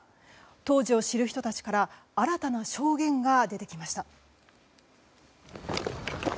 当時を知る人たちから新たな証言が出てきました。